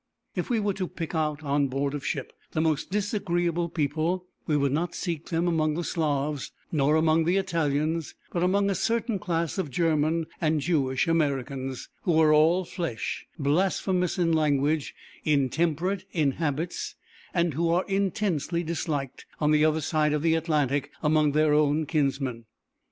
If we were to pick out on board of ship the most disagreeable people, we would not seek them among the Slavs nor among the Italians, but among a certain class of German and Jewish Americans, who are all flesh; blasphemous in language, intemperate in habits and who are intensely disliked on the other side of the Atlantic among their own kinsmen.